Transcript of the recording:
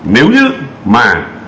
nếu như mà